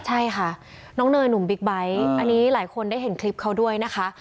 ใช่ค่ะน้องเนยหนุ่มบิ๊กไบท์อันนี้หลายคนได้เห็นคลิปเขาด้วยนะคะ